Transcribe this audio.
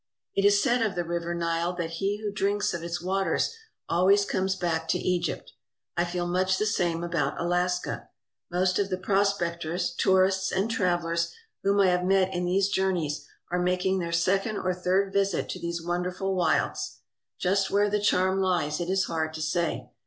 It is said of the River Nile that he who drinks of its waters always comes back to Egypt. I feel much the same about Alaska. Most of the prospectors, tourists, and travellers whom I have met in these journeys are mak ing their second or third visit to these wonderful wilds. Just where the charm lies it is hard to say.